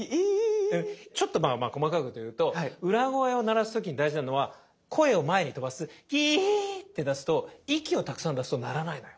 ちょっとまあま細かいこと言うと裏声を鳴らす時に大事なのは声を前に飛ばす「ぎいー」って出すと息をたくさん出すと鳴らないのよ。